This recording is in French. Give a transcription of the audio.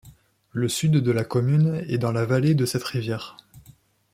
Le sud de la commune est dans la vallée de cette rivière.